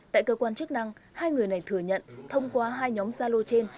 tại cơ quan chức năng hai người này thừa nhận thông qua hai nhóm gia lô trên